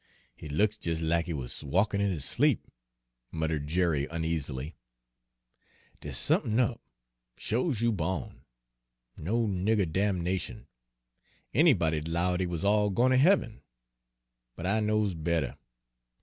"He looks jes' lack he wuz walkin' in his sleep," muttered Jerry uneasily. "Dere's somethin' up, sho 's you bawn! 'No nigger damnation!' Anybody'd 'low dey wuz all gwine ter heaven; but I knows better!